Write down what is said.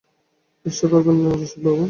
ঈর্ষা করবেন না রসিকবাবু!